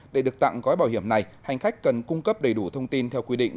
để được tặng gói bảo hiểm này hành khách cần cung cấp đầy đủ thông tin theo quy định